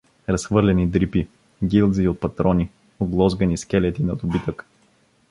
Разхвърляни дрипи, гилзи от патрони, оглозгани скелети на добитък.